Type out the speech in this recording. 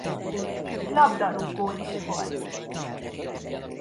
Labdarúgó is volt.